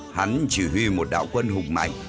hắn chỉ huy một đảo quân hùng mạnh